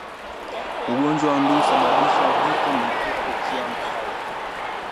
Ugonjwa wa ndui husababisha vifo mlipuko ukiwa mkali